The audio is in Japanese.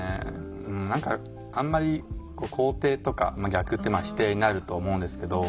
何かあんまり肯定とか逆って否定になると思うんですけど。